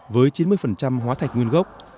với chín mươi hoa thạch nguyên gốc